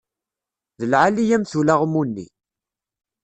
D lɛali-yam-t ulaɣmu-nni.